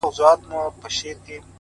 بيا دي ستني ډيري باندي ښخي کړې!